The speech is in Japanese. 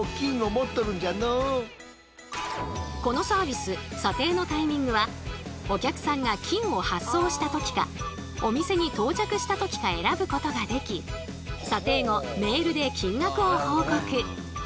このサービス査定のタイミングはお客さんが金を発送した時かお店に到着した時か選ぶことができ査定後メールで金額を報告。